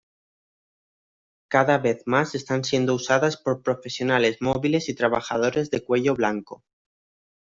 Cada vez más están siendo usadas por profesionales móviles y trabajadores de cuello blanco.